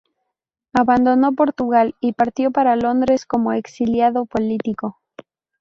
Abandonó Portugal y partió para Londres como exiliado político.